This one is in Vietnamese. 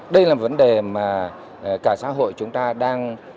đây là vấn đề mà cả xã hội chúng ta đang